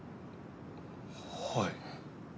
はい。